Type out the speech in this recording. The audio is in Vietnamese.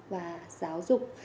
và giáo dục